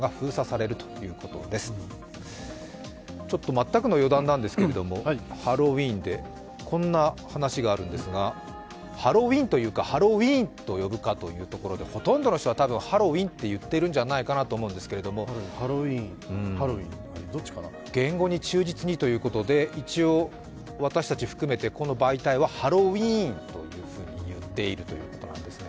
全くの予断なんですけれども、ハロウィーンでこんな話があるんですがハロウィンと言うか、ハロウィーンと呼ぶかというところでほとんどの人は、ハロウィンと言っているんじゃないかと思うんですが言語に忠実にということで一応、私たちを含めてこの媒体はハロウィーンというふうに言っているということなんですね。